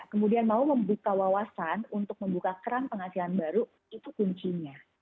kemudian mau membuka wawasan untuk membuka keran penghasilan baru itu kuncinya